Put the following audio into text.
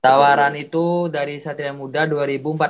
tawaran itu dari satria muda dua ribu empat belas